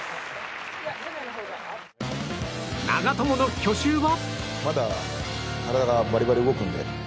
長友の去就は？